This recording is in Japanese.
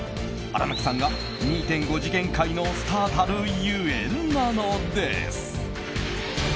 荒牧さんが２．５次元界のスターたるゆえんなのです。